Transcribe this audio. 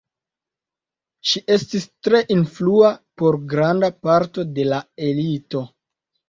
Ŝi estis tre influa por granda parto de la elito.